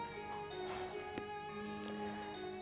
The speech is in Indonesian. sedang kita yang indah laku kemaren pak